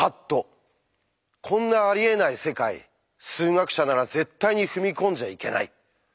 こんなありえない世界数学者なら絶対に踏み込んじゃいけない！